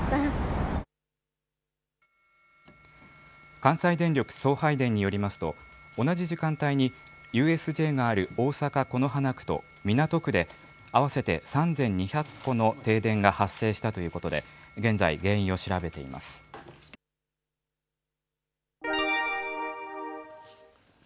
関西電力送配電によりますと、同じ時間帯に、ＵＳＪのある大阪・此花区と、港区で合わせて３２００戸の停電が発生したということで、現在、原因を調べています。